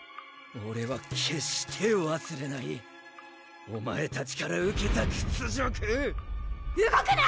オレは決してわすれないお前たちから受けた屈辱動くな！